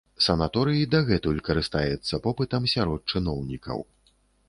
Санаторый дагэтуль карыстаецца попытам сярод чыноўнікаў.